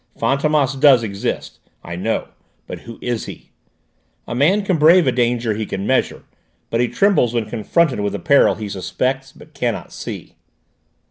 Fantômas does exist, I know, but who is he? A man can brave a danger he can measure, but he trembles when confronted with a peril he suspects but cannot see."